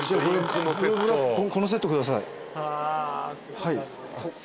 はい。